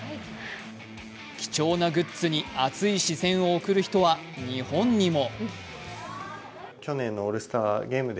貴重なグッズに熱い視線を送る人は日本にも。